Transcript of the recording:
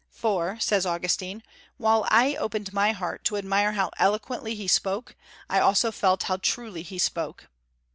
"For," says Augustine, "while I opened my heart to admire how eloquently he spoke, I also felt how truly he spoke."